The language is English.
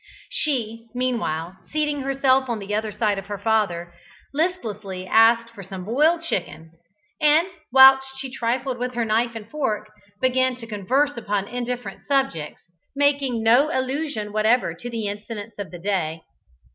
She, meanwhile, seating herself on the other side of her father, listlessly asked for some boiled chicken, and, whilst she trifled with her knife and fork, began to converse upon indifferent subjects, making no allusion whatever to the incidents of the day.